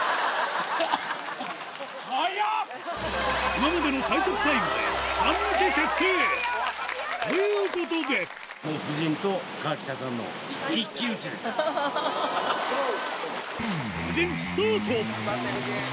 今までの最速タイムで三抜け決定ということで夫人スタート！